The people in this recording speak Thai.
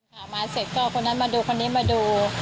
มาเสร็จก็คนนั้นมาดูคนนี้มาดู